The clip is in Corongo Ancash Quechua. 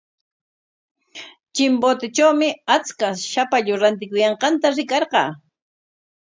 Chimbotetrawmi achka shapallu rantikuyanqanta rikarqaa.